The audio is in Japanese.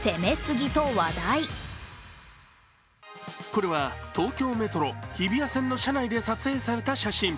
これは東京メトロ日比谷線の車内で撮影された写真。